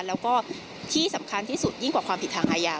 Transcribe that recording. แล้วก็ที่สำคัญที่สุดยิ่งกว่าความผิดทางอาญา